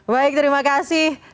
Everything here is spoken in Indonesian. baik terima kasih